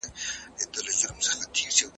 که سینه پراخه وي نو ساه نه تنګیږي.